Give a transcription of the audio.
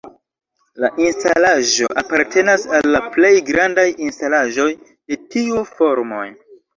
La instalaĵo apartenas al la plej grandaj instalaĵoj de tiu formoj.